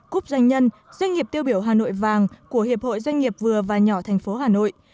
cúp doanh nhân doanh nghiệp tiêu biểu hà nội vàng của hiệp hội doanh nghiệp vừa và nhỏ thành phố hà nội